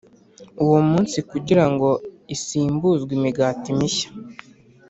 uwo munsi kugira ngo isimbuzwe imigati mishya